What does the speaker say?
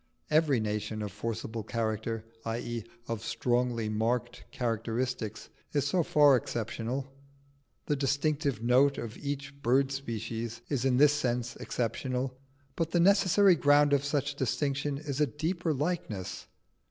Every nation of forcible character i.e., of strongly marked characteristics, is so far exceptional. The distinctive note of each bird species is in this sense exceptional, but the necessary ground of such distinction is a deeper likeness.